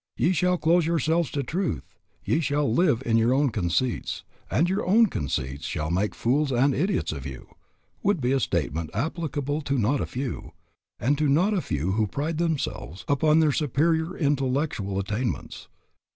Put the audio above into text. Ye shall close yourselves to truth, ye shall live in your own conceits, and your own conceits shall make fools and idiots of you, would be a statement applicable to not a few, and to not a few who pride themselves upon their superior intellectual attainments.